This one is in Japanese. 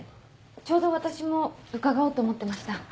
ちょうど私も伺おうと思ってました。